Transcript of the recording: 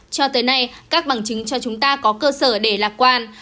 cho tới nay các bằng chứng cho chúng ta có cơ sở để lạc quan